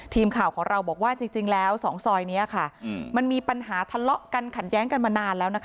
ทีมข่าวของเราบอกว่าจริงแล้วสองซอยนี้ค่ะมันมีปัญหาทะเลาะกันขัดแย้งกันมานานแล้วนะคะ